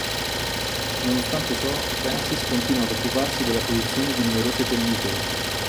Nonostante ciò Francis continua ad occuparsi della produzione di numerose pellicole.